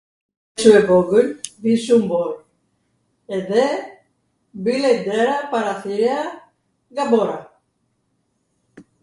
shum e vogwl, ish shum bor, edhe mbillej dera, parathirja nga bora.